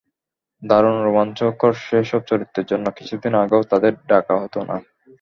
দারুণ রোমাঞ্চকর সেসব চরিত্রের জন্য কিছুদিন আগেও তাঁদের ডাকা হতো না।